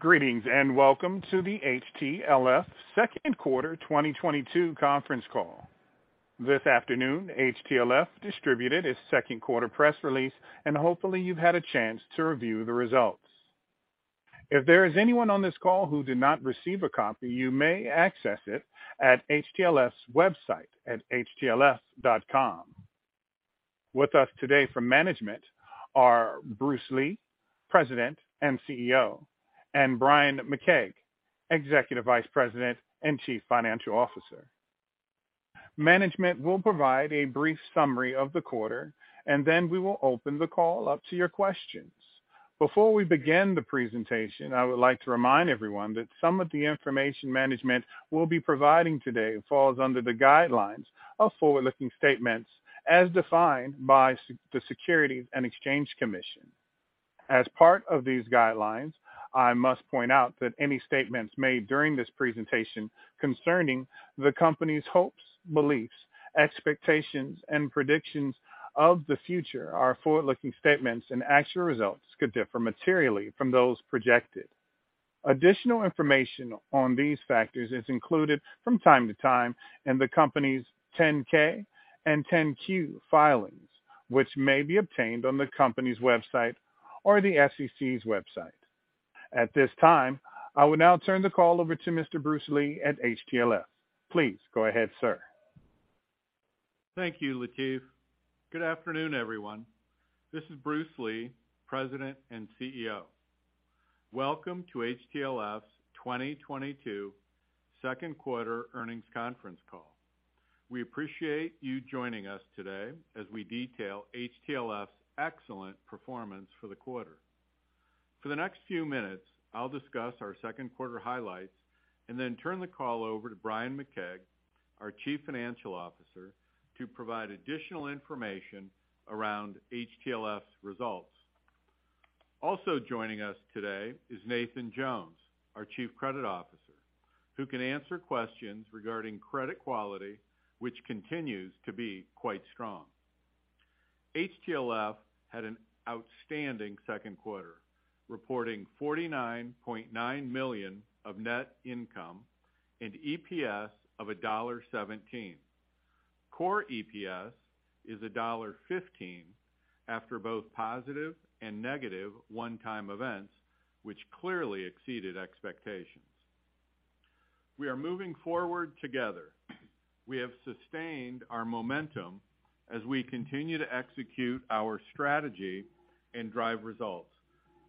Greetings, and welcome to the HTLF Q2 2022 Conference Call. This afternoon, HTLF distributed its Q2 press release, and hopefully, you've had a chance to review the results. If there is anyone on this call who did not receive a copy, you may access it at HTLF's website at htlf.com. With us today from management are Bruce Lee, President and CEO, and Bryan R. McKeag, Executive Vice President and Chief Financial Officer. Management will provide a brief summary of the quarter, and then we will open the call up to your questions. Before we begin the presentation, I would like to remind everyone that some of the information management will be providing today falls under the guidelines of forward-looking statements as defined by the Securities and Exchange Commission. As part of these guidelines, I must point out that any statements made during this presentation concerning the company's hopes, beliefs, expectations, and predictions of the future are forward-looking statements, and actual results could differ materially from those projected. Additional information on these factors is included from time to time in the company's 10-K and 10-Q filings, which may be obtained on the company's website or the SEC's website. At this time, I will now turn the call over to Mr. Bruce Lee at HTLF. Please go ahead, sir. Thank you, Latif. Good afternoon, everyone. This is Bruce Lee, President and CEO. Welcome to HTLF's 2022 Q2 Earnings Conference Call. We appreciate you joining us today as we detail HTLF's excellent performance for the quarter. For the next few minutes, I'll discuss our Q2 highlights and then turn the call over to Bryan R. McKeag, our Chief Financial Officer, to provide additional information around HTLF's results. Also joining us today is Nathan Jones, our Chief Credit Officer, who can answer questions regarding credit quality, which continues to be quite strong. HTLF had an outstanding Q2, reporting $49.9 million of net income and EPS of $1.17. Core EPS is $1.15 after both positive and negative one-time events, which clearly exceeded expectations. We are moving forward together. We have sustained our momentum as we continue to execute our strategy and drive results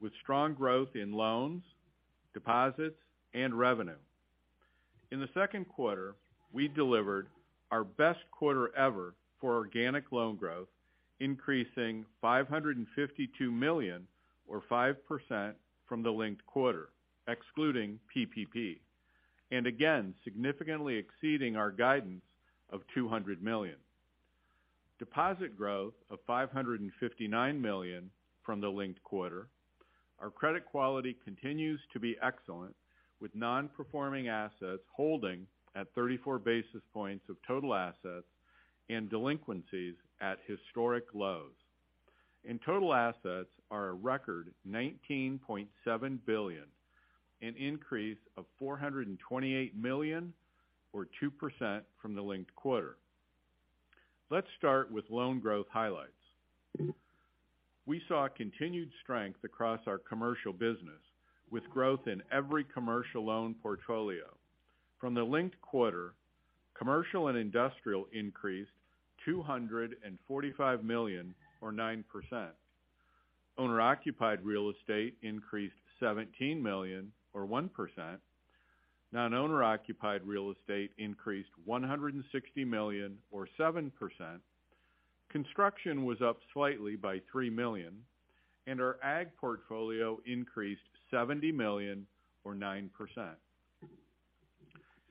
with strong growth in loans, deposits, and revenue. In the Q2, we delivered our best quarter ever for organic loan growth, increasing $552 million or 5% from the linked quarter, excluding PPP, and again, significantly exceeding our guidance of $200 million. Deposit growth of $559 million from the linked quarter. Our credit quality continues to be excellent, with non-performing assets holding at 34 basis points of total assets and delinquencies at historic lows. Total assets are a record $19.7 billion, an increase of $428 million or 2% from the linked quarter. Let's start with loan growth highlights. We saw continued strength across our commercial business with growth in every commercial loan portfolio. From the linked quarter, commercial and industrial increased $245 million or 9%. Owner-occupied real estate increased $17 million or 1%. Non-owner-occupied real estate increased $160 million or 7%. Construction was up slightly by $3 million, and our ag portfolio increased $70 million or 9%.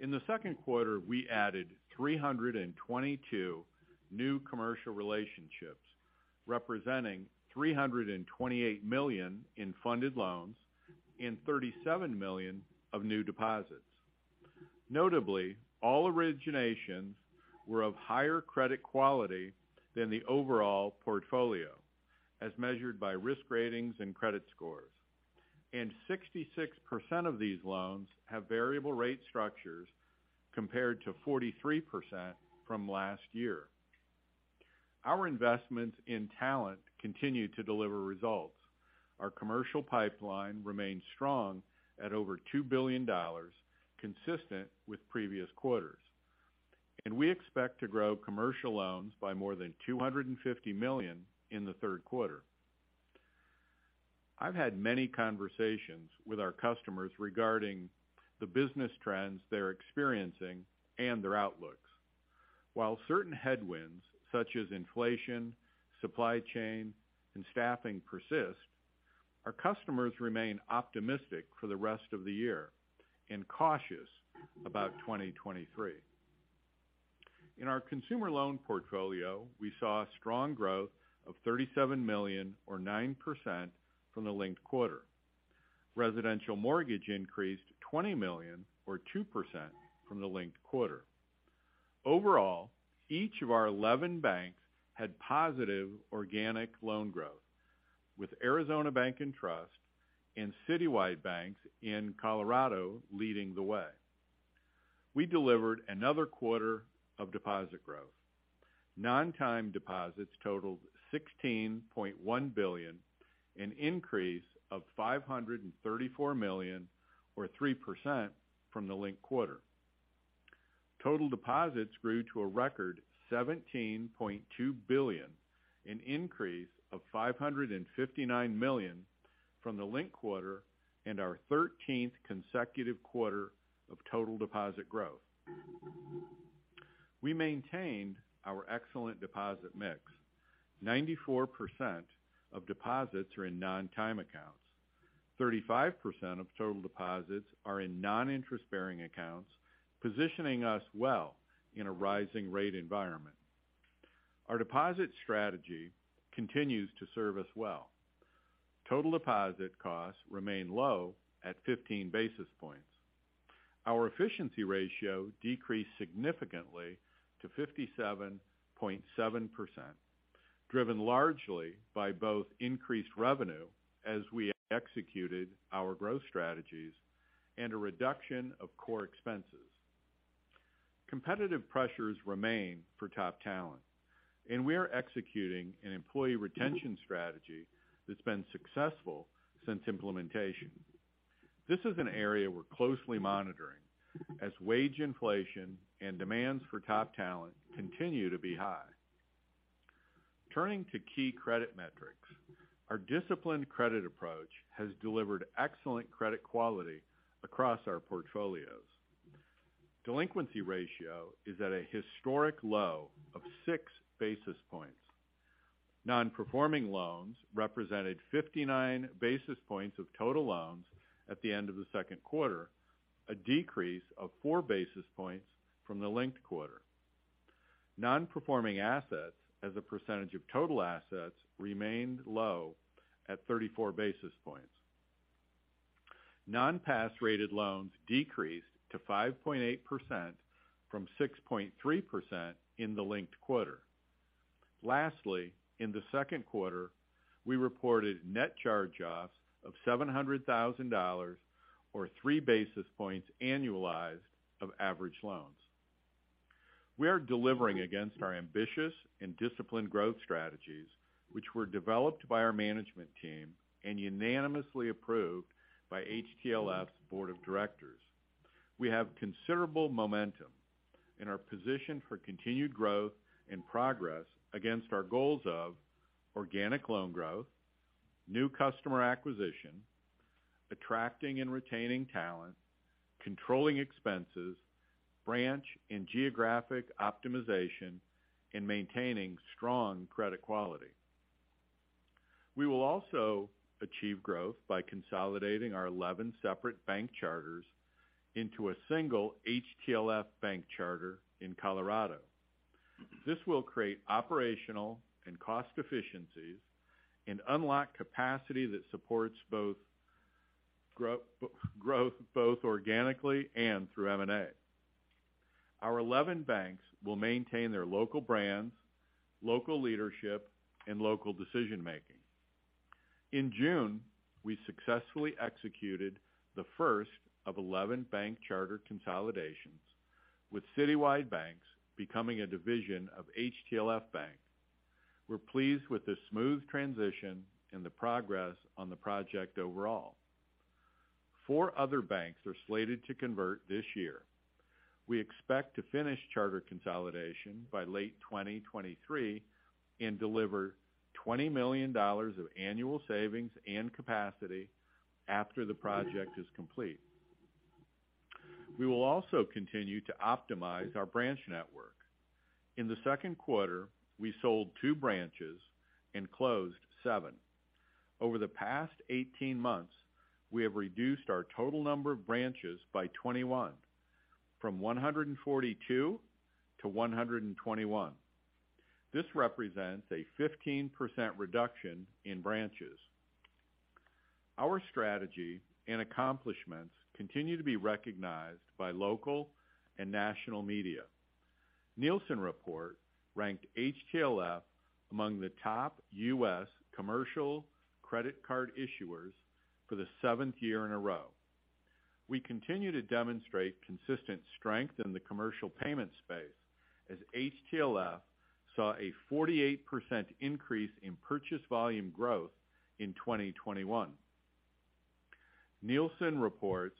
In the Q2, we added 322 new commercial relationships, representing $328 million in funded loans and $37 million of new deposits. Notably, all originations were of higher credit quality than the overall portfolio as measured by risk ratings and credit scores. 66% of these loans have variable rate structures compared to 43% from last year. Our investments in talent continue to deliver results. Our commercial pipeline remains strong at over $2 billion, consistent with previous quarters, and we expect to grow commercial loans by more than $250 million in the Q3. I've had many conversations with our customers regarding the business trends they're experiencing and their outlooks. While certain headwinds such as inflation, supply chain, and staffing persist, our customers remain optimistic for the rest of the year and cautious about 2023. In our consumer loan portfolio, we saw a strong growth of $37 million or 9% from the linked quarter. Residential mortgage increased $20 million or 2% from the linked quarter. Overall, each of our 11 banks had positive organic loan growth with Arizona Bank & Trust and Citywide Banks in Colorado leading the way. We delivered another quarter of deposit growth. Non-time deposits totaled $16.1 billion, an increase of $534 million or 3% from the linked quarter. Total deposits grew to a record $17.2 billion, an increase of $559 million from the linked quarter and our 13th consecutive quarter of total deposit growth. We maintained our excellent deposit mix. 94% of deposits are in non-time accounts. 35% of total deposits are in non-interest-bearing accounts, positioning us well in a rising rate environment. Our deposit strategy continues to serve us well. Total deposit costs remain low at 15 basis points. Our efficiency ratio decreased significantly to 57.7%, driven largely by both increased revenue as we executed our growth strategies and a reduction of core expenses. Competitive pressures remain for top talent, and we are executing an employee retention strategy that's been successful since implementation. This is an area we're closely monitoring as wage inflation and demands for top talent continue to be high. Turning to key credit metrics. Our disciplined credit approach has delivered excellent credit quality across our portfolios. Delinquency ratio is at a historic low of six basis points. Non-performing loans represented 59 basis points of total loans at the end of the Q2, a decrease of four basis points from the linked quarter. Non-performing assets as a percentage of total assets remained low at 34 basis points. Non-pass rated loans decreased to 5.8% from 6.3% in the linked quarter. Lastly, in the Q2, we reported net charge-offs of $700,000 or three basis points annualized of average loans. We are delivering against our ambitious and disciplined growth strategies, which were developed by our management team and unanimously approved by HTLF's board of directors. We have considerable momentum and are positioned for continued growth and progress against our goals of organic loan growth, new customer acquisition, attracting and retaining talent, controlling expenses, branch and geographic optimization, and maintaining strong credit quality. We will also achieve growth by consolidating our 11 separate bank charters into a single HTLF Bank charter in Colorado. This will create operational and cost efficiencies and unlock capacity that supports growth both organically and through M&A. Our 11 banks will maintain their local brands, local leadership, and local decision-making. In June, we successfully executed the first of 11 bank charter consolidations, with Citywide Banks becoming a division of HTLF Bank. We're pleased with the smooth transition and the progress on the project overall. 4 other banks are slated to convert this year. We expect to finish charter consolidation by late 2023 and deliver $20 million of annual savings and capacity after the project is complete. We will also continue to optimize our branch network. In the Q2, we sold two branches and closed seven. Over the past 18 months, we have reduced our total number of branches by 21, from 142 to 121. This represents a 15% reduction in branches. Our strategy and accomplishments continue to be recognized by local and national media. The Nilson Report ranked HTLF among the top U.S. commercial credit card issuers for the seventh year in a row. We continue to demonstrate consistent strength in the commercial payment space as HTLF saw a 48% increase in purchase volume growth in 2021. Nilson reports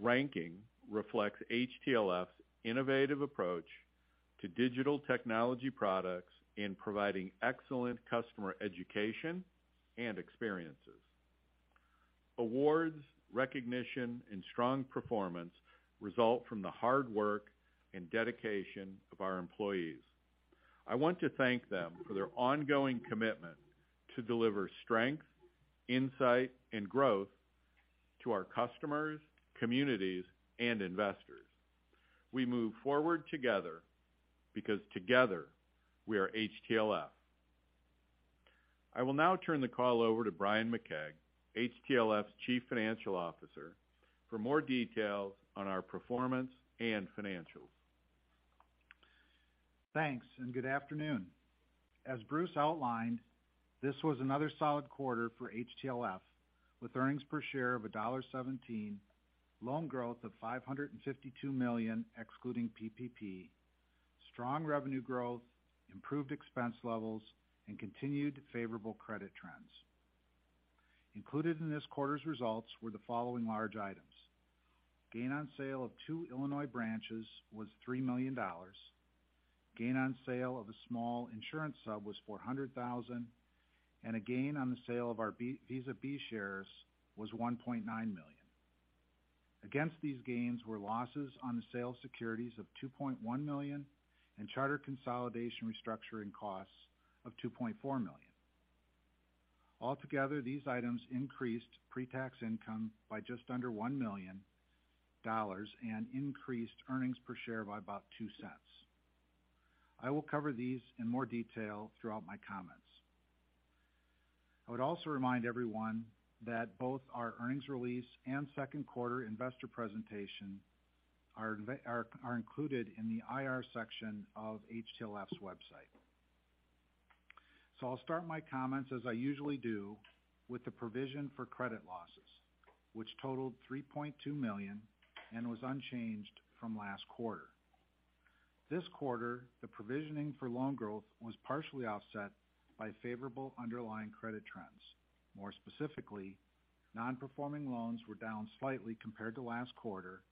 ranking reflects HTLF's innovative approach to digital technology products in providing excellent customer education and experiences. Awards, recognition, and strong performance result from the hard work and dedication of our employees. I want to thank them for their ongoing commitment to deliver strength, insight, and growth to our customers, communities, and investors. We move forward together because together we are HTLF. I will now turn the call over to Bryan R. McKeag, HTLF's Chief Financial Officer, for more details on our performance and financials. Thanks, and good afternoon. As Bruce outlined, this was another solid quarter for HTLF, with earnings per share of $1.17, loan growth of $552 million, excluding PPP, strong revenue growth, improved expense levels, and continued favorable credit trends. Included in this quarter's results were the following large items. Gain on sale of two Illinois branches was $3 million. Gain on sale of a small insurance sub was $400,000, and a gain on the sale of our Visa Class B shares was $1.9 million. Against these gains were losses on the sale of securities of $2.1 million and charter consolidation restructuring costs of $2.4 million. Altogether, these items increased pre-tax income by just under $1 million and increased earnings per share by about $0.02. I will cover these in more detail throughout my comments. I would also remind everyone that both our earnings release and Q2 investor presentation are included in the IR section of HTLF's website. I'll start my comments as I usually do, with the provision for credit losses, which totaled $3.2 million and was unchanged from last quarter. This quarter, the provisioning for loan growth was partially offset by favorable underlying credit trends. More specifically, non-performing loans were down slightly compared to last quarter,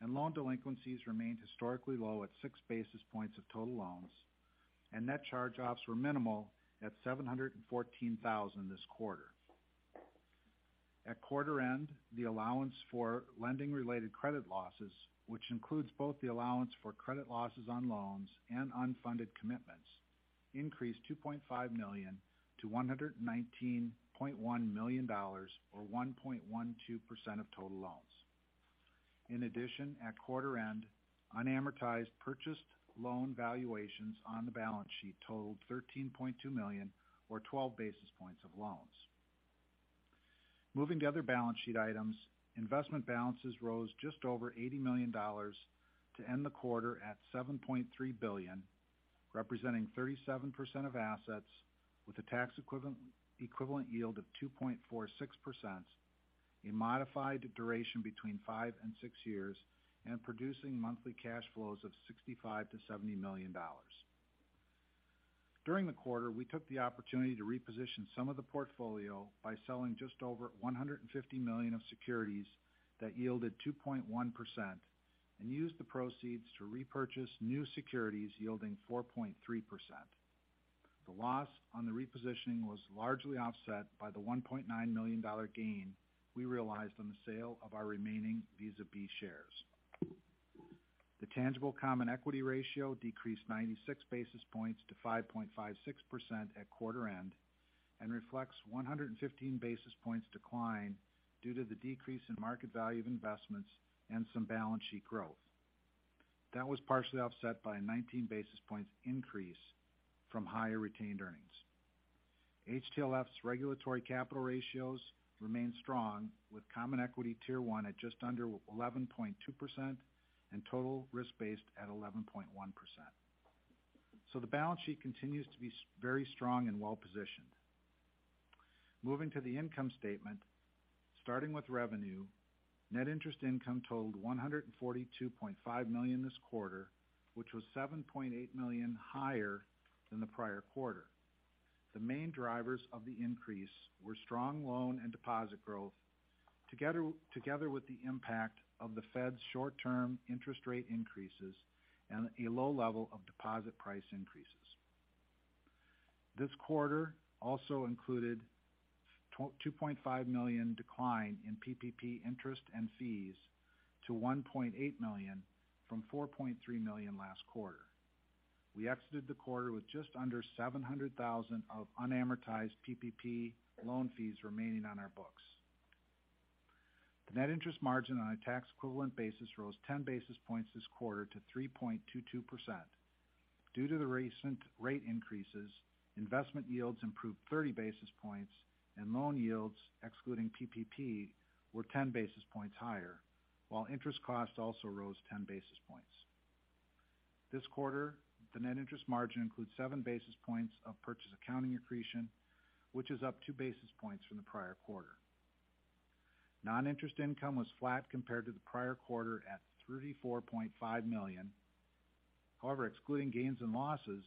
and loan delinquencies remained historically low at six basis points of total loans, and net charge-offs were minimal at $714,000 this quarter. At quarter end, the allowance for lending-related credit losses, which includes both the allowance for credit losses on loans and unfunded commitments, increased $2.5 million to $119.1 million or 1.12% of total loans. In addition, at quarter end, unamortized purchased loan valuations on the balance sheet totaled $13.2 million or 12 basis points of loans. Moving to other balance sheet items, investment balances rose just over $80 million to end the quarter at $7.3 billion, representing 37% of assets with a tax equivalent yield of 2.46%, a modified duration between five and six years, and producing monthly cash flows of $65 million-$70 million. During the quarter, we took the opportunity to reposition some of the portfolio by selling just over $150 million of securities that yielded 2.1% and used the proceeds to repurchase new securities yielding 4.3%. The loss on the repositioning was largely offset by the $1.9 million gain we realized on the sale of our remaining Visa B shares. The tangible common equity ratio decreased 96 basis points to 5.56% at quarter end and reflects 115 basis points decline due to the decrease in market value of investments and some balance sheet growth. That was partially offset by a 19 basis points increase from higher retained earnings. HTLF's regulatory capital ratios remain strong with Common Equity Tier 1 at just under 11.2% and total risk-based capital at 11.1%. The balance sheet continues to be very strong and well-positioned. Moving to the income statement, starting with revenue, net interest income totaled $142.5 million this quarter, which was $7.8 million higher than the prior quarter. The main drivers of the increase were strong loan and deposit growth, together with the impact of the Fed's short-term interest rate increases and a low level of deposit price increases. This quarter also included $2.5 million decline in PPP interest and fees to $1.8 million from $4.3 million last quarter. We exited the quarter with just under 700,000 of unamortized PPP loan fees remaining on our books. The net interest margin on a tax equivalent basis rose 10 basis points this quarter to 3.22%. Due to the recent rate increases, investment yields improved 30 basis points and loan yields, excluding PPP, were 10 basis points higher, while interest costs also rose 10 basis points. This quarter, the net interest margin includes seven basis points of purchase accounting accretion, which is up two basis points from the prior quarter. Non-interest income was flat compared to the prior quarter at $34.5 million. However, excluding gains and losses,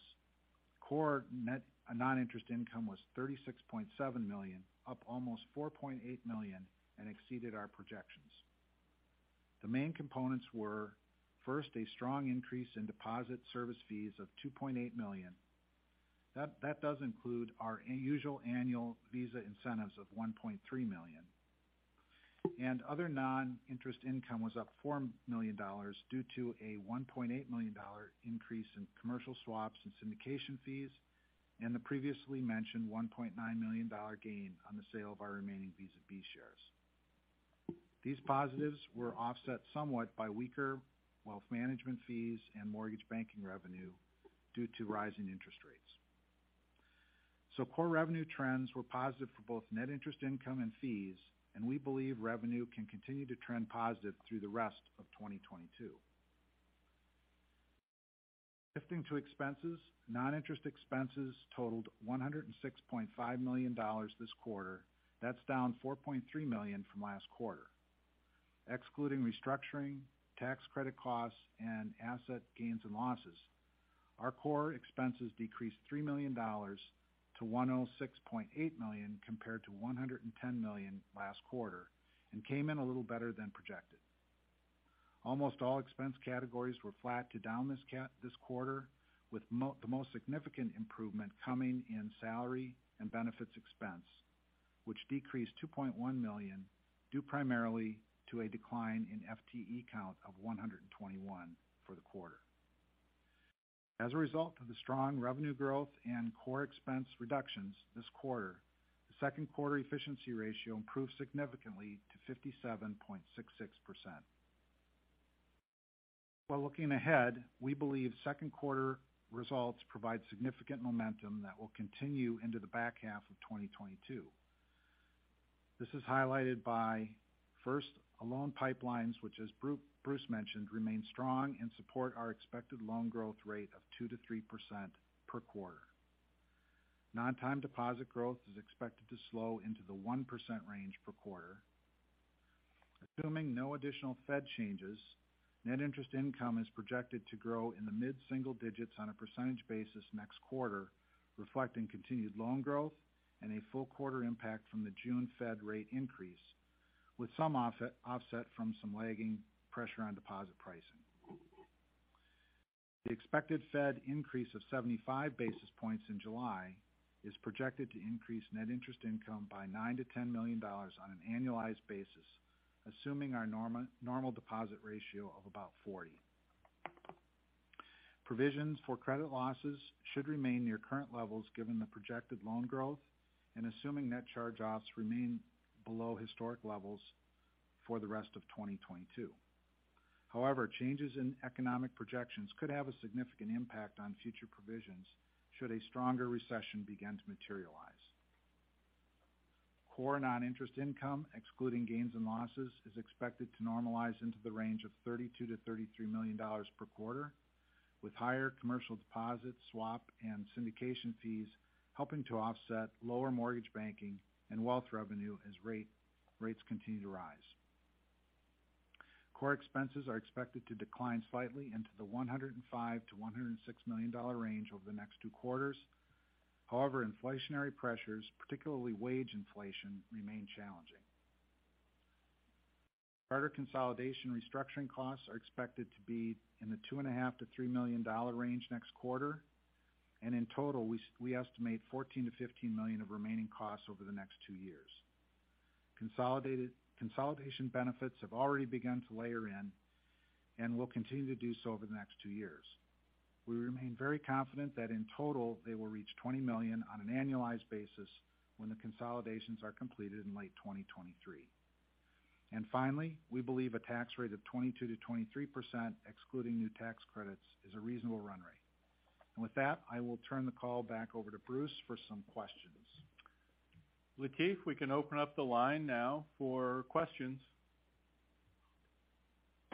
core net non-interest income was $36.7 million, up almost $4.8 million, and exceeded our projections. The main components were, first, a strong increase in deposit service fees of $2.8 million. That does include our usual annual Visa incentives of $1.3 million. Other non-interest income was up $4 million due to a $1.8 million increase in commercial swaps and syndication fees and the previously mentioned $1.9 million gain on the sale of our remaining Visa Class B shares. These positives were offset somewhat by weaker wealth management fees and mortgage banking revenue due to rising interest rates. Core revenue trends were positive for both net interest income and fees, and we believe revenue can continue to trend positive through the rest of 2022. Shifting to expenses. Non-interest expenses totaled $106.5 million this quarter. That's down $4.3 million from last quarter. Excluding restructuring, tax credit costs, and asset gains and losses, our core expenses decreased $3 million to $106.8 million, compared to $110 million last quarter, and came in a little better than projected. Almost all expense categories were flat to down this quarter, with the most significant improvement coming in salary and benefits expense, which decreased $2.1 million, due primarily to a decline in FTE count of 121 for the quarter. As a result of the strong revenue growth and core expense reductions this quarter, the Q2 efficiency ratio improved significantly to 57.66%. While looking ahead, we believe Q2 results provide significant momentum that will continue into the back half of 2022. This is highlighted by, first, loan pipelines, which, as Bruce mentioned, remain strong and support our expected loan growth rate of 2%-3% per quarter. Non-time deposit growth is expected to slow into the 1% range per quarter. Assuming no additional Fed changes, net interest income is projected to grow in the mid-single digits on a percentage basis next quarter, reflecting continued loan growth and a full quarter impact from the June Fed rate increase, with some offset from some lagging pressure on deposit pricing. The expected Fed increase of 75 basis points in July is projected to increase net interest income by $9 million-$10 million on an annualized basis, assuming our normal deposit ratio of about 40. Provisions for credit losses should remain near current levels given the projected loan growth and assuming net charge-offs remain below historic levels for the rest of 2022. However, changes in economic projections could have a significant impact on future provisions should a stronger recession begin to materialize. Core non-interest income, excluding gains and losses, is expected to normalize into the range of $32 million-$33 million per quarter, with higher commercial deposits, swap, and syndication fees helping to offset lower mortgage banking and wealth revenue as rates continue to rise. Core expenses are expected to decline slightly into the $105 million-$106 million range over the next two quarters. However, inflationary pressures, particularly wage inflation, remain challenging. Charter consolidation restructuring costs are expected to be in the $2.5 million-$3 million range next quarter. In total, we estimate $14 million-$15 million of remaining costs over the next two years. Consolidation benefits have already begun to layer in and will continue to do so over the next two years. We remain very confident that in total, they will reach $20 million on an annualized basis when the consolidations are completed in late 2023. Finally, we believe a tax rate of 22%-23%, excluding new tax credits, is a reasonable run rate. With that, I will turn the call back over to Bruce for some questions. Latif, we can open up the line now for questions.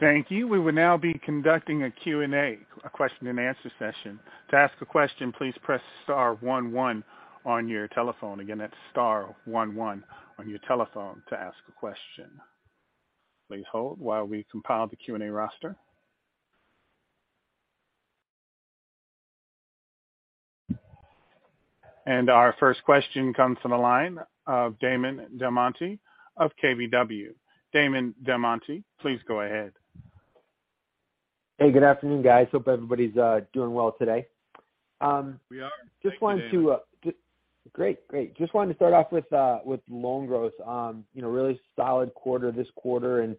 Thank you. We will now be conducting a Q&A, a Q&A session. To ask a question, please press Star one one on your telephone. Again, that's Star one one on your telephone to ask a question. Please hold while we compile the Q&A roster. Our first question comes from the line of Damon DelMonte of KBW. Damon DelMonte, please go ahead. Hey, good afternoon, guys. Hope everybody's doing well today. We are. Thank you, Damon. Great. Just wanted to start off with loan growth. You know, really solid quarter this quarter and,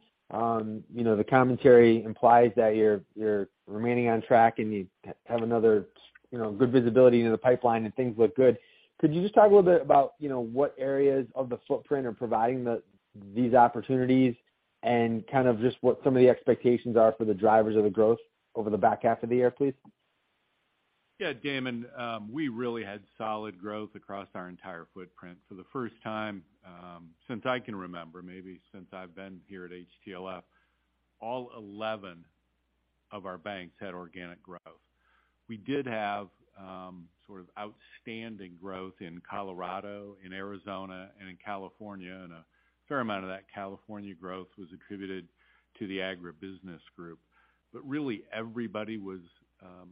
you know, the commentary implies that you're remaining on track and you have another, you know, good visibility into the pipeline and things look good. Could you just talk a little bit about, you know, what areas of the footprint are providing these opportunities and kind of just what some of the expectations are for the drivers of the growth over the back half of the year, please? Yeah, Damon. We really had solid growth across our entire footprint. For the first time, since I can remember, maybe since I've been here at HTLF, all 11 of our banks had organic growth. We did have, sort of outstanding growth in Colorado, in Arizona, and in California, and a fair amount of that California growth was attributed to the agribusiness group. Really, everybody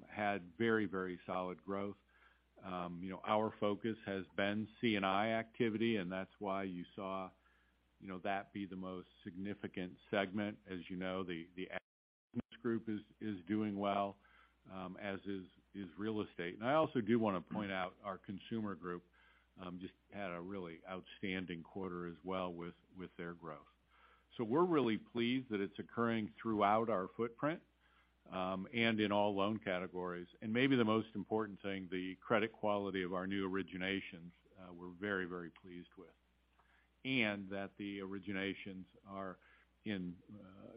had very, very solid growth. You know, our focus has been C&I activity, and that's why you saw, you know, that be the most significant segment. As you know, the agribusiness group is doing well, as is real estate. I also do want to point out our consumer group, just had a really outstanding quarter as well with their growth. We're really pleased that it's occurring throughout our footprint. In all loan categories. Maybe the most important thing, the credit quality of our new originations, we're very, very pleased with. That the originations are in,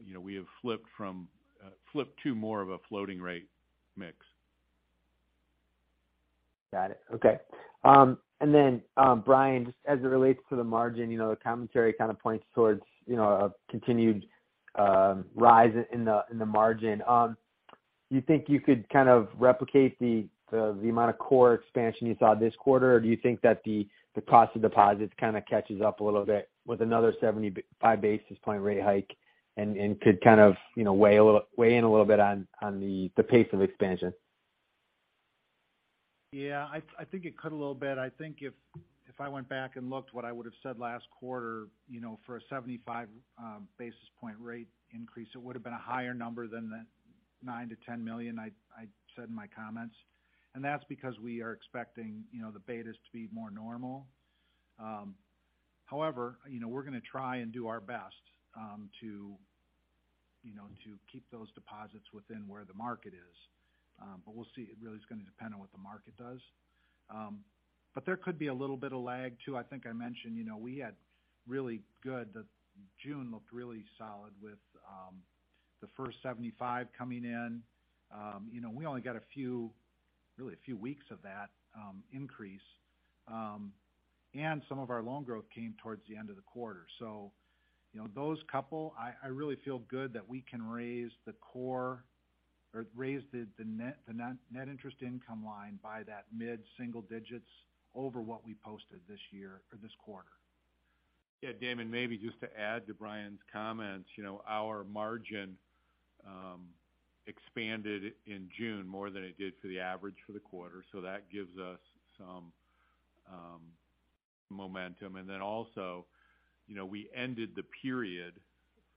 you know, we have flipped from, flipped to more of a floating rate mix. Got it. Okay and then Bryan, just as it relates to the margin, you know, the commentary kind of points towards, you know, a continued rise in the margin. You think you could kind of replicate the amount of core expansion you saw this quarter? Or do you think that the cost of deposits kind of catches up a little bit with another 75 basis point rate hike and could kind of, you know, weigh in a little bit on the pace of expansion? Yeah. I think it could be a little bit. I think if I went back and looked what I would have said last quarter, you know, for a 75 basis point rate increase, it would have been a higher number than the $9 million-$10 million I said in my comments. That's because we are expecting, you know, the betas to be more normal. However, you know, we're going to try and do our best to keep those deposits within where the market is. We'll see. It really is going to depend on what the market does. There could be a little bit of lag, too. I think I mentioned, you know, June looked really solid with the first 75 coming in. You know, we only got a few, really a few weeks of that increase. Some of our loan growth came towards the end of the quarter. You know, those couple, I really feel good that we can raise the core or raise the net interest income line by that mid-single digits over what we posted this year or this quarter. Yeah. Damon, maybe just to add to Bryan's comments. You know, our margin expanded in June more than it did for the average for the quarter. That gives us some momentum. You know, we ended the period,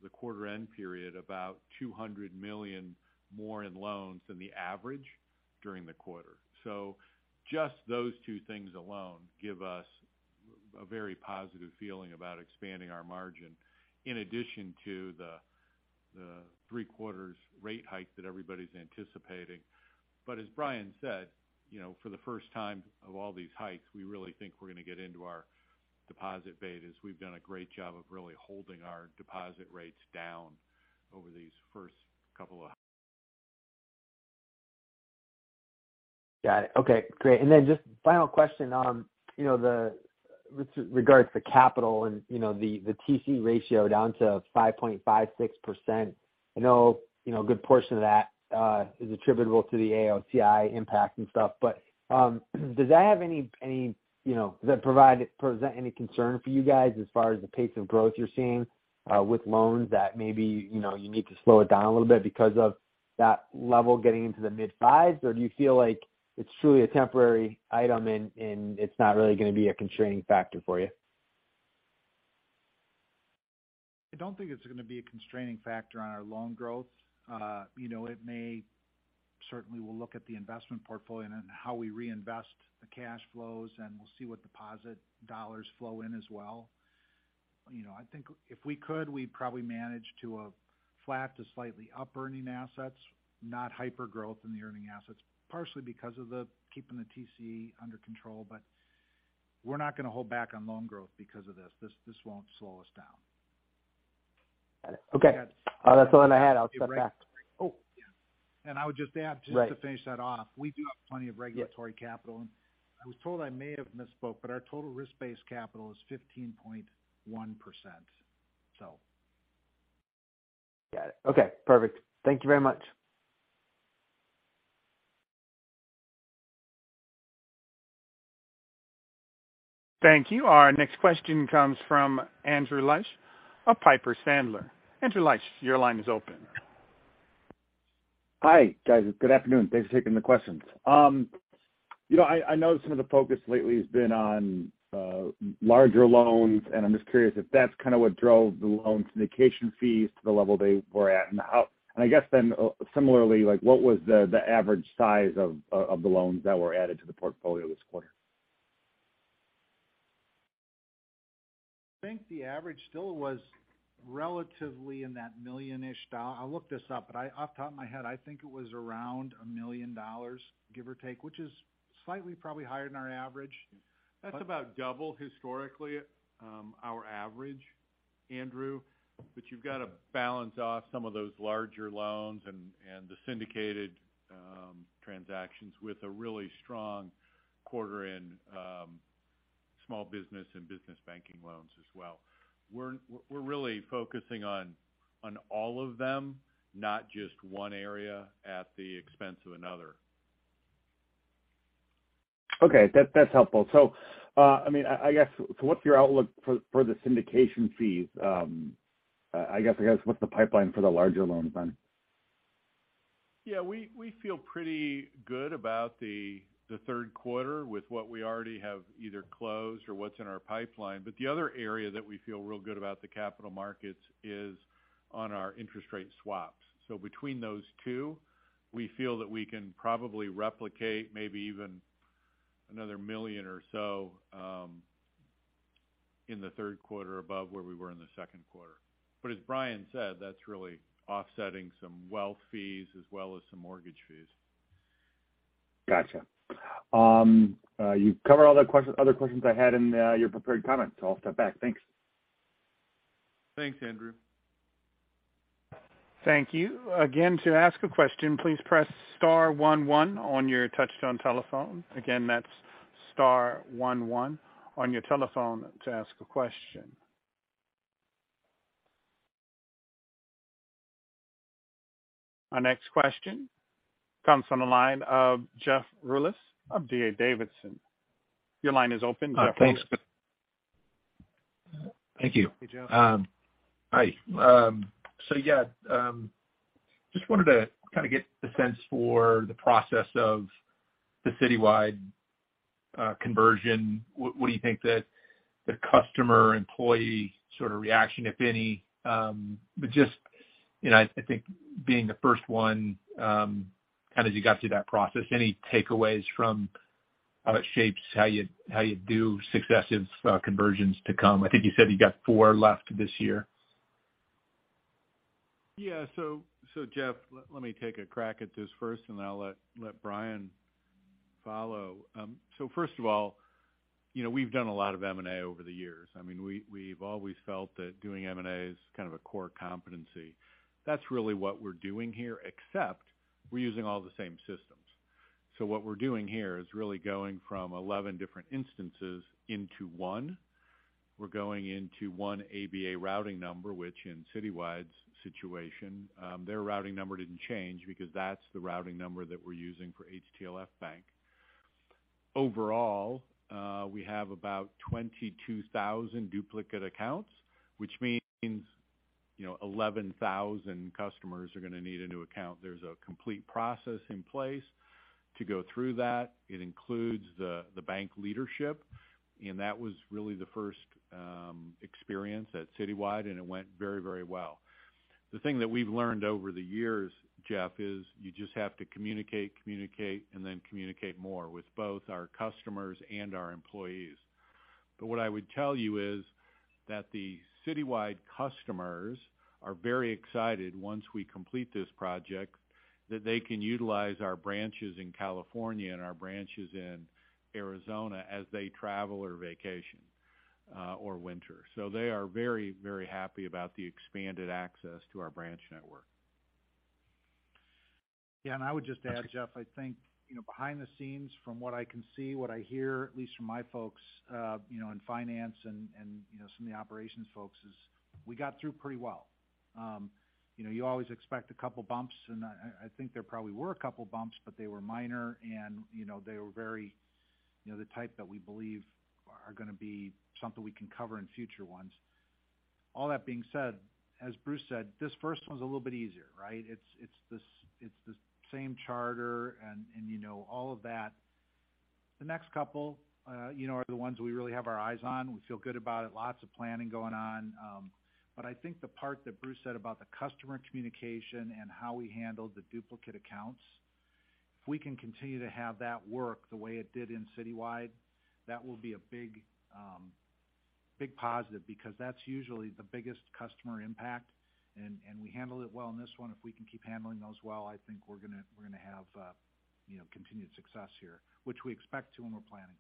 the quarter end period, about $200 million more in loans than the average during the quarter. Just those two things alone give us a very positive feeling about expanding our margin in addition to the three-quarters rate hike that everybody's anticipating. But as Bryan said, you know, for the first time of all these hikes, we really think we're going to get into our deposit betas. We've done a great job of really holding our deposit rates down over these first couple of- Got it. Okay, great. Just final question on, you know, with regards to capital and, you know, the TC ratio down to 5.56%. I know, you know, a good portion of that is attributable to the AOCI impact and stuff. But does that have any, you know, does that present any concern for you guys as far as the pace of growth you're seeing with loans that maybe, you know, you need to slow it down a little bit because of that level getting into the mid fives? Or do you feel like it's truly a temporary item and it's not really going to be a constraining factor for you? I don't think it's going to be a constraining factor on our loan growth. You know, certainly, we'll look at the investment portfolio and then how we reinvest the cash flows, and we'll see what deposit dollars flow in as well. You know, I think if we could, we'd probably manage to a flat to slightly up earning assets, not hyper-growth in the earning assets, partially because of the keeping the TCE under control, but we're not going to hold back on loan growth because of this. This won't slow us down. Got it. Okay. That's- That's all I had. I'll stop there. Oh, yeah. I would just add. Right. Just to finish that off. We do have plenty of regulatory capital. I was told I may have misspoke, but our total risk-based capital is 15.1%, so. Got it. Okay, perfect. Thank you very much. Thank you. Our next question comes from Andrew Liesch of Piper Sandler. Andrew Liesch, your line is open. Hi, guys. Good afternoon. Thanks for taking the questions. You know, I know some of the focus lately has been on larger loans, and I'm just curious if that's kind of what drove the loan syndication fees to the level they were at and how. I guess then, similarly, like what was the average size of the loans that were added to the portfolio this quarter? I think the average still was relatively in that million-ish. I'll look this up, but off the top of my head, I think it was around $1 million, give or take, which is slightly probably higher than our average. That's about double historically, our average, Andrew. You've got to balance off some of those larger loans and the syndicated transactions with a really strong quarter in small business and business banking loans as well. We're really focusing on all of them, not just one area at the expense of another. Okay. That's helpful. I mean, I guess so what's your outlook for the syndication fees? I guess what's the pipeline for the larger loans then? Yeah. We feel pretty good about the Q3 with what we already have either closed or what's in our pipeline. The other area that we feel real good about the capital markets is on our interest rate swaps. Between those two, we feel that we can probably replicate maybe even another $1 million or so in the Q3 above where we were in the Q2. As Bryan said, that's really offsetting some wealth fees as well as some mortgage fees. Got you. You covered all the other questions I had in your prepared comments, so I'll step back. Thanks. Thanks, Andrew. Thank you. Again, to ask a question, please press Star one on your touchtone telephone. Again, that's Star one one on your telephone to ask a question. Our next question comes from the line of Jeff Rulis of D.A. Davidson. Your line is open, Jeff Rulis. Thanks. Thank you. Hey, Jeff. Hi. Just wanted to kind of get the sense for the process of the Citywide conversion. What do you think that the customer employee sort of reaction, if any, but just, you know, I think being the first one, kind of you got through that process, any takeaways from how it shapes how you do successive conversions to come? I think you said you got four left this year. Yeah. Jeff, let me take a crack at this first, and then I'll let Bryan follow. First of all, you know, we've done a lot of M&A over the years. I mean, we've always felt that doing M&A is kind of a core competency. That's really what we're doing here, except we're using all the same systems. What we're doing here is really going from 11 different instances into one. We're going into one ABA routing number, which in Citywide's situation, their routing number didn't change because that's the routing number that we're using for HTLF Bank. Overall, we have about 22,000 duplicate accounts, which means, you know, 11,000 customers are going to need a new account. There's a complete process in place to go through that. It includes the bank leadership, and that was really the first experience at Citywide, and it went very, very well. The thing that we've learned over the years, Jeff, is you just have to communicate, and then communicate more with both our customers and our employees. What I would tell you is that the Citywide customers are very excited once we complete this project that they can utilize our branches in California and our branches in Arizona as they travel or vacation, or winter. They are very, very happy about the expanded access to our branch network. Yeah. I would just add, Jeff, I think, you know, behind the scenes from what I can see, what I hear, at least from my folks, you know, in finance and, you know, some of the operations folks, is we got through pretty well. You know, you always expect a couple bumps, and I think there probably were a couple bumps, but they were minor and, you know, they were very, you know, the type that we believe are going to be something we can cover in future ones. All that being said, as Bruce said, this first one's a little bit easier, right? It's the same charter and you know all of that. The next couple, you know, are the ones we really have our eyes on. We feel good about it. Lots of planning going on. I think the part that Bruce said about the customer communication and how we handled the duplicate accounts, if we can continue to have that work the way it did in Citywide, that will be a big positive because that's usually the biggest customer impact and we handled it well on this one. If we can keep handling those well, I think we're going to have, you know, continued success here, which we expect to and we're planning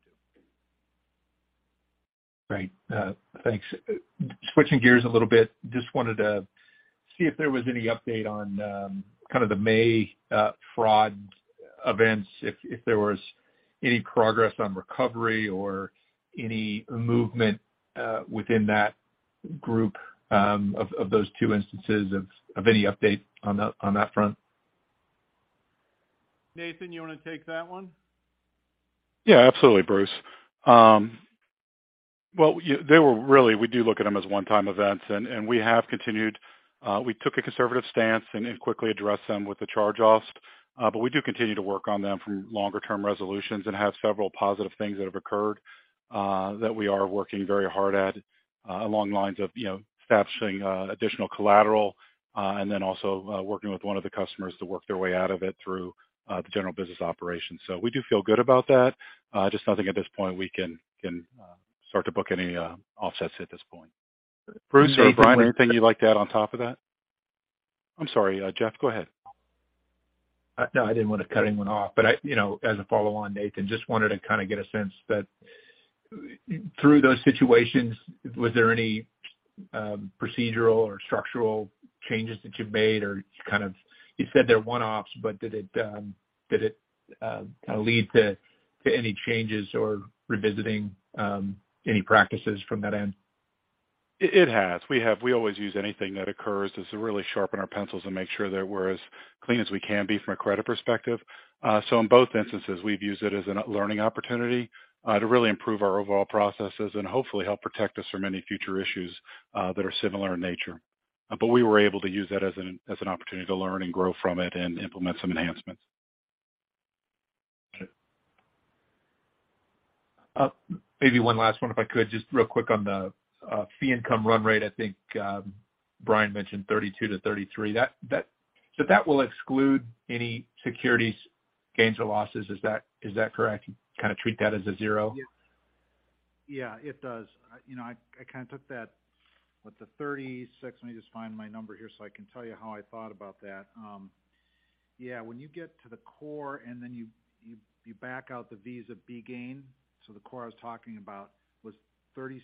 to. Great. Thanks. Switching gears a little bit, just wanted to see if there was any update on kind of the May fraud events. If there was any progress on recovery or any movement within that group of those two instances of any update on that front. Nathan, you want to take that one? Yeah, absolutely, Bruce. Well, we do look at them as one-time events, and we have continued. We took a conservative stance and quickly addressed them with the charge-offs. But we do continue to work on them from longer-term resolutions and have several positive things that have occurred that we are working very hard at along lines of, you know, establishing additional collateral, and then also working with one of the customers to work their way out of it through the general business operations. So we do feel good about that. Just nothing at this point we can start to book any offsets at this point. Bruce or Bryan, anything you'd like to add on top of that? I'm sorry, Jeff, go ahead. No, I didn't want to cut anyone off, but I, you know, as a follow on, Nathan, just wanted to kind of get a sense that through those situations, was there any procedural or structural changes that you made or kind of, you said they're one-offs, but did it kind of lead to any changes or revisiting any practices from that end? It has. We always use anything that occurs just to really sharpen our pencils and make sure that we're as clean as we can be from a credit perspective. In both instances, we've used it as a learning opportunity to really improve our overall processes and hopefully help protect us from any future issues that are similar in nature. We were able to use that as an opportunity to learn and grow from it and implement some enhancements. Okay. Maybe one last one, if I could. Just real quick on the fee income run rate. I think Bryan mentioned 32-33. That will exclude any securities gains or losses. Is that correct? Kind of treat that as a zero? Yeah, it does. You know, I kind of took that with the 3.6. Let me just find my number here so I can tell you how I thought about that. Yeah, when you get to the core and then you back out the Visa B gain. The core I was talking about was 3.67%,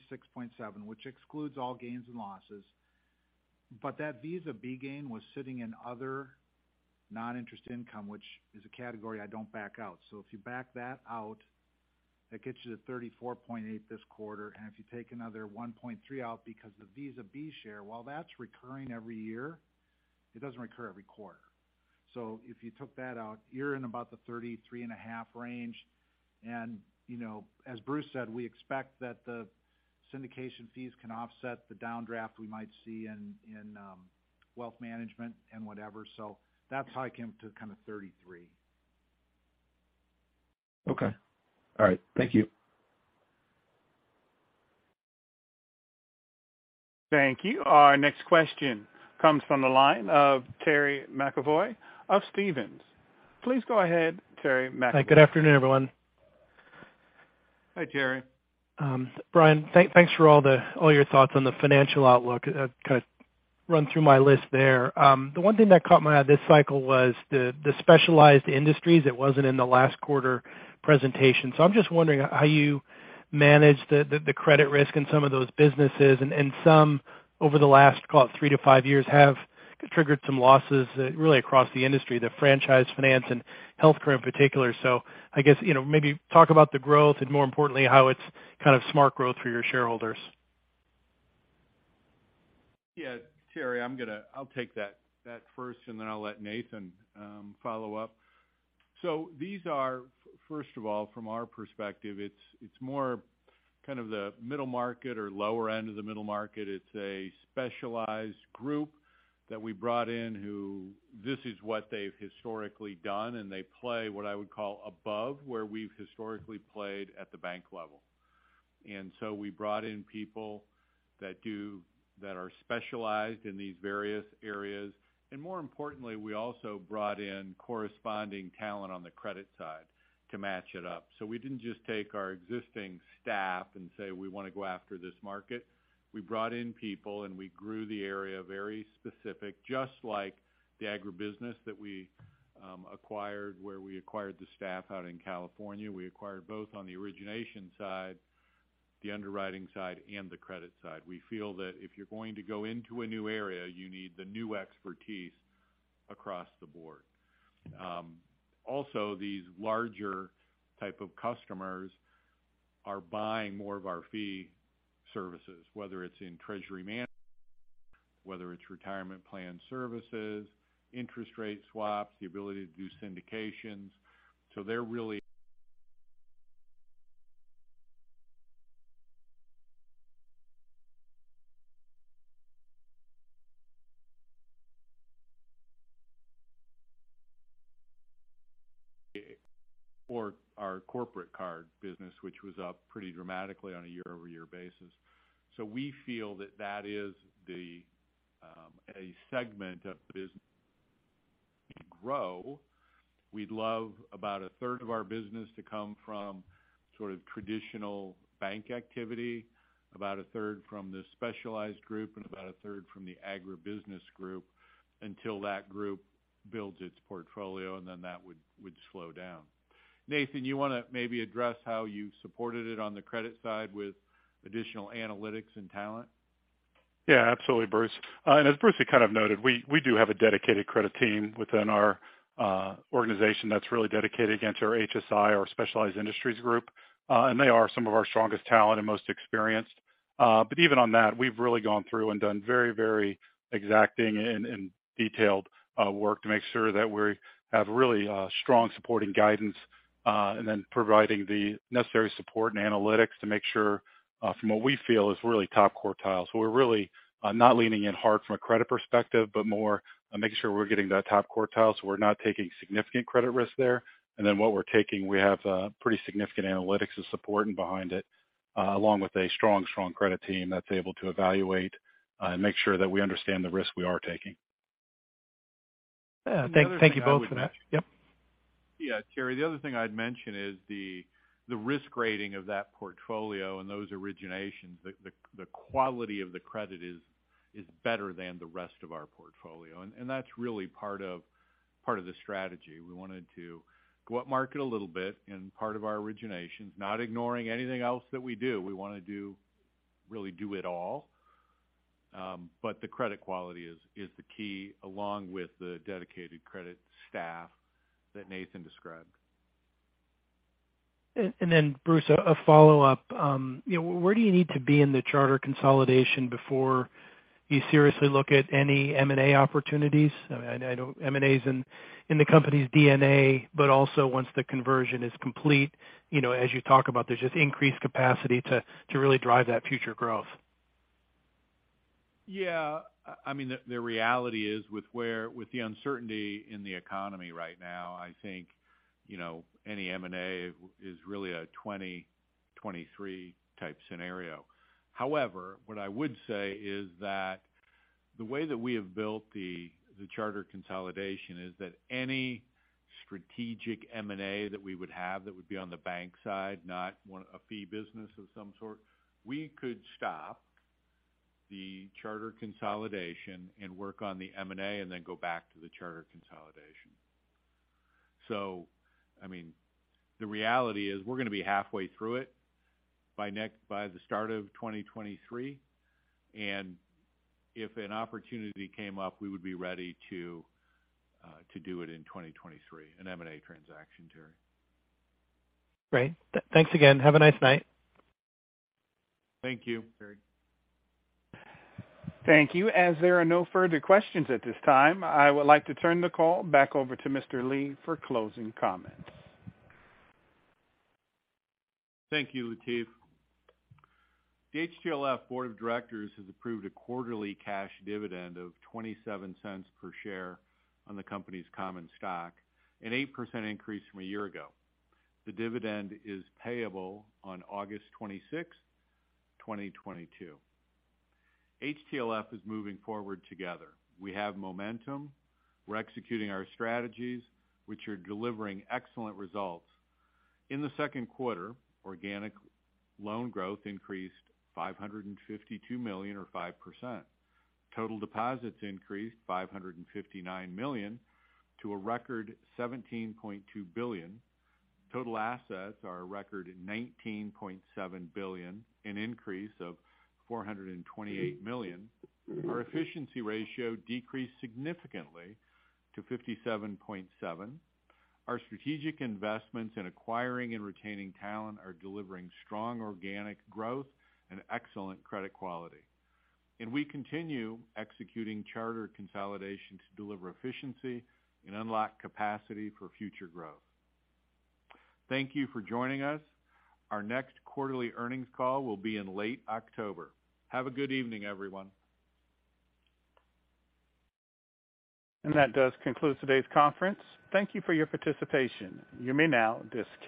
which excludes all gains and losses. That Visa B gain was sitting in other non-interest income, which is a category I don't back out. If you back that out, that gets you to 3.48% this quarter. If you take another 0.13 out because the Visa B share, while that's recurring every year, it doesn't recur every quarter. If you took that out, you're in about the 3.35% range. You know, as Bruce said, we expect that the syndication fees can offset the downdraft we might see in wealth management and whatever. That's how I came to kind of 33. Okay. All right. Thank you. Thank you. Our next question comes from the line of Terry McEvoy of Stephens. Please go ahead, Terry McEvoy. Hi, good afternoon, everyone. Hi, Terry. Bryan, thanks for all your thoughts on the financial outlook. I've kind of run through my list there. The one thing that caught my eye this cycle was the specialized industries that wasn't in the last quarter presentation. I'm just wondering how you manage the credit risk in some of those businesses. Some over the last, call it three to five years, have triggered some losses really across the industry, the franchise finance and healthcare in particular. I guess, you know, maybe talk about the growth and more importantly, how it's kind of smart growth for your shareholders. Yeah. Terry, I'll take that first, and then I'll let Nathan follow-up. These are, first of all, from our perspective, it's more kind of the middle market or lower-end of the middle market. It's a specialized group that we brought in who this is what they've historically done, and they play what I would call above where we've historically played at the bank level. We brought in people that are specialized in these various areas. More importantly, we also brought in corresponding talent on the credit side to match it up. We didn't just take our existing staff and say, we want to go after this market. We brought in people, and we grew the area very specific, just like the agribusiness that we acquired, where we acquired the staff out in California. We acquired both on the origination side, the underwriting side, and the credit side. We feel that if you're going to go into a new area, you need the new expertise across the board. Also, these larger type of customers are buying more of our fee services, whether it's in treasury management, whether it's retirement plan services, interest rate swaps, the ability to do syndications. They're really or our corporate card business, which was up pretty dramatically on a year-over-year basis. We feel that that is the, a segment of the business to grow. We'd love about a third of our business to come from sort of traditional bank activity, about a third from the specialized group, and about a third from the agribusiness group until that group builds its portfolio, and then that would slow down. Nathan, you want to maybe address how you supported it on the credit side with additional analytics and talent? Yeah, absolutely, Bruce. As Bruce kind of noted, we do have a dedicated credit team within our organization that's really dedicated against our HSI, our specialized industries group. They are some of our strongest talent and most experienced. Even on that, we've really gone through and done very, very exacting and detailed work to make sure that we have really strong supporting guidance, and then providing the necessary support and analytics to make sure from what we feel is really top quartile. We're really not leaning in hard from a credit perspective, but more making sure we're getting that top quartile so we're not taking significant credit risk there. What we're taking, we have pretty significant analytics and support behind it, along with a strong credit team that's able to evaluate and make sure that we understand the risk we are taking. Yeah. Thank you both for that. The other thing I'd mention. Yep. Yeah, Terry. The other thing I'd mention is the risk rating of that portfolio and those originations. The quality of the credit is better than the rest of our portfolio. That's really part of the strategy. We wanted to go upmarket a little bit in part of our originations, not ignoring anything else that we do. We want to really do it all. The credit quality is the key, along with the dedicated credit staff that Nathan described. Bruce, a follow-up. You know, where do you need to be in the charter consolidation before you seriously look at any M&A opportunities? I know M&A is in the company's DNA, but also once the conversion is complete. You know, as you talk about, there's just increased capacity to really drive that future growth. Yeah. I mean, the reality is with the uncertainty in the economy right now, I think, you know, any M&A is really a 2023 type scenario. However, what I would say is that. The way that we have built the charter consolidation is that any strategic M&A that we would have that would be on the bank side, not a fee business of some sort, we could stop the charter consolidation and work on the M&A and then go back to the charter consolidation. I mean, the reality is we're going to be halfway through it by the start of 2023. If an opportunity came up, we would be ready to do it in 2023, an M&A transaction, Terry. Great. Thanks again. Have a nice night. Thank you, Terry. Thank you. As there are no further questions at this time, I would like to turn the call back over to Mr. Lee for closing comments. Thank you, Latif. The HTLF board of directors has approved a quarterly cash dividend of $0.27 per share on the company's common stock, an 8% increase from a year ago. The dividend is payable on August 26th, 2022. HTLF is moving forward together. We have momentum. We're executing our strategies, which are delivering excellent results. In the Q2, organic loan growth increased $552 million or 5%. Total deposits increased $559 million to a record $17.2 billion. Total assets are a record $19.7 billion, an increase of $428 million. Our efficiency ratio decreased significantly to 57.7%. Our strategic investments in acquiring and retaining talent are delivering strong organic growth and excellent credit quality. We continue executing charter consolidation to deliver efficiency and unlock capacity for future growth. Thank you for joining us. Our next quarterly earnings call will be in late October. Have a good evening, everyone. That does conclude today's conference. Thank you for your participation. You may now disconnect.